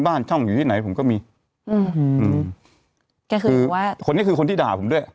บ้านช่องอยู่ที่ไหนผมก็มีอืมอืมก็คือว่าคนนี้คือคนที่ด่าผมด้วย